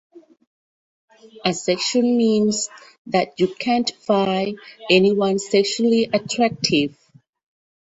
Asexual means that you can’t find anyone sexually attractive.